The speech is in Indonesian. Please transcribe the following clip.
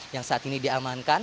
yang saat ini diamankan